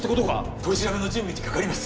取り調べの準備にかかります。